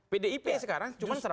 pdip sekarang cuma satu ratus dua puluh